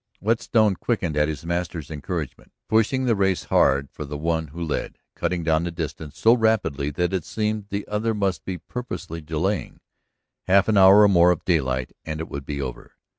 Whetstone quickened at his master's encouragement, pushing the race hard for the one who led, cutting down the distance so rapidly that it seemed the other must be purposely delaying. Half an hour more of daylight and it would be over.